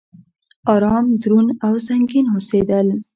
ارام، دروند او سنګين اوسيدل